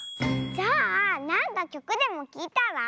じゃあなんかきょくでもきいたら？